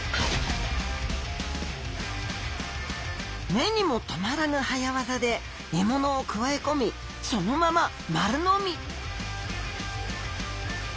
目にもとまらぬ早ワザで獲物をくわえ込みそのまま丸飲み！